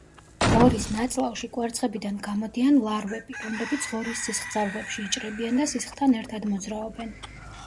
ღორის ნაწლავში კვერცხებიდან გამოდიან ლარვები, რომლებიც ღორის სისხლძარღვებში იჭრებიან და სისხლთან ერთად მოძრაობენ.